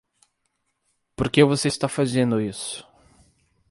Por que você está fazendo isso?